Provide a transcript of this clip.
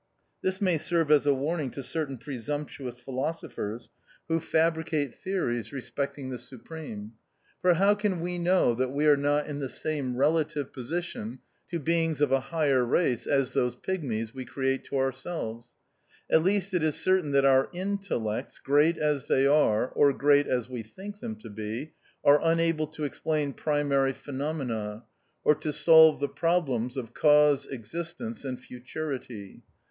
This may serve as a warning to certain presumptuous philosophers who fabricate 40 THE OUTCAST. theories respecting the Supreme ; for how can we know that we are not in the same relative position to beings of a higher race as those pigmies we create to ourselves ? At least it is certain that our intellects, great as they are, or great as we think them to be, are unable to explain primary phenomena, or to solve the problems of Cause, Existence, arid Futurity.